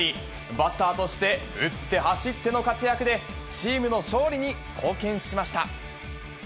バッターとして打って走っての活躍で、チームの勝利に貢献しました。